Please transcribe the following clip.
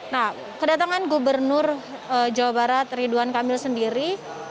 nah kedatangan gubernur jawa barat ridwan kamil sendiri